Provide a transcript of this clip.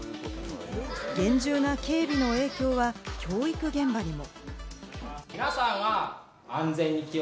厳重な警備の影響は教育現場にも。